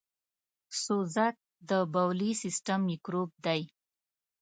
سوزک دبولي سیستم میکروب دی .